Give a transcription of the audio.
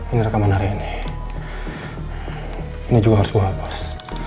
ini rekaman hari ini ini juga suapus